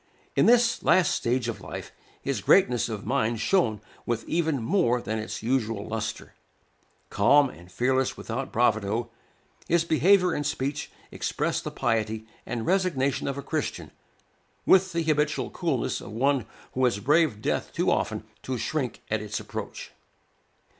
In this last stage of life, his greatness of mind shone with even more than its usual lustre. Calm, and fearless without bravado, his behavior and speech expressed the piety and resignation of a Christian, with the habitual coolness of one who has braved death too often to shrink at its approach.